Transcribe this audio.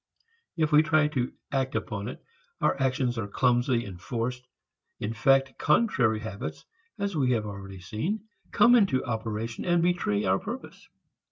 If we try to act upon it, our actions are clumsy, forced. In fact, contrary habits (as we have already seen) come into operation and betray our purpose.